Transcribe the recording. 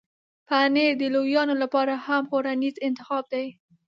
پنېر د لویانو لپاره هم خوړنیز انتخاب دی.